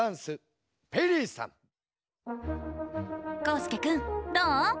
こうすけくんどう？